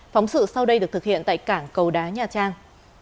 phóng sự sau đây được thực hiện tại cảng cầu đá nhà trang